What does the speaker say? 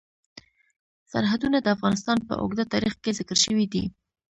سرحدونه د افغانستان په اوږده تاریخ کې ذکر شوی دی.